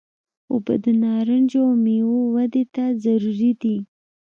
اوبه د نارنجو او میوو ودې ته ضروري دي.